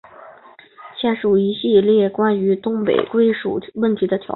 以下是中国签署的一系列关于东北归属问题的条约。